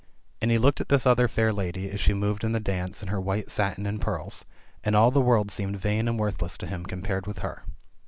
And he looked at this other fair lady, as she moved in the dance in her white satin and pearls, and all the world seemed vain and worthless to him compared with her.